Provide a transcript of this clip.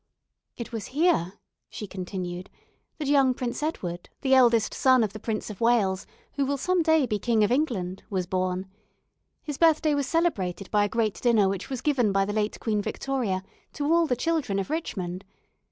"It was here," she continued, "that young Prince Edward, the eldest son of the Prince of Wales, who will some day be King of England, was born. His birthday was celebrated by a great dinner which was given by the late Queen Victoria to all the children of Richmond.